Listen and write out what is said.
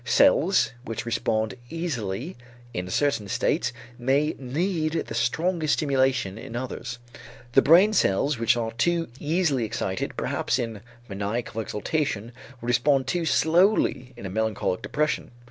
Cells which respond easily in certain states may need the strongest stimulation in others. The brain cells which are too easily excited perhaps in maniacal exultation would respond too slowly in a melancholic depression.